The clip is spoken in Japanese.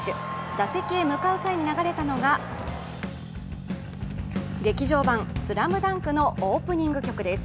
打席へ向かう際に流れたのが、劇場版「ＳＬＡＭＤＵＮＫ」のオープニング曲です。